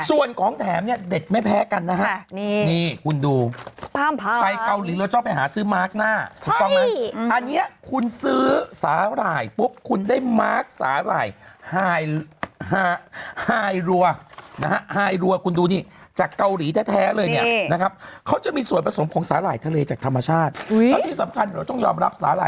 ส่วนของแถมเนี่ยเด็กไม่แพ้กันนะครับ